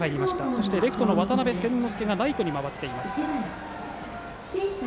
そして、レフトの渡邉千之亮がライトに回っています。